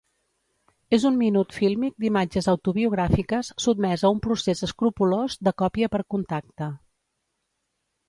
És un minut fílmic d’imatges autobiogràfiques sotmès a un procés escrupolós de còpia per contacte.